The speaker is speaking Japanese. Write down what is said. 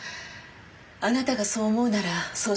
あなたがそう思うならそうしなさい。